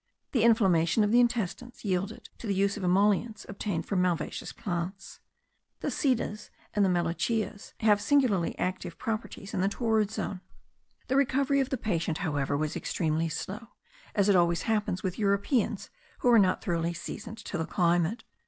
The inflammation of the intestines yielded to the use of emollients obtained from malvaceous plants. The sidas and the melochias have singularly active properties in the torrid zone. The recovery of the patient however was extremely slow, as it always happens with Europeans who are not thoroughly seasoned to the climate.